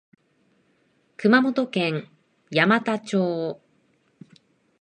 熊本県山都町